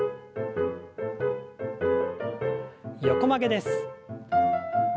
横曲げです。